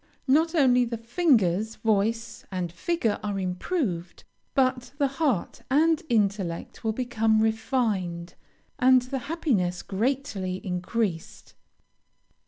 Not only the fingers, voice, and figure are improved, but the heart and intellect will become refined, and the happiness greatly increased.